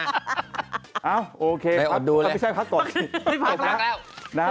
เอาะโอเคไม่ใช่พักตกสิครับ